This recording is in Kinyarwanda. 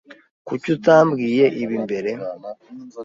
Kuki utambwiye ibi mbere?